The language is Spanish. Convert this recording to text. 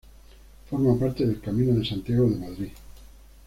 Forma parte del Camino de Santiago de Madrid.